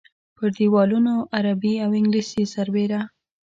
پر دیوالونو عربي او انګلیسي سربېره.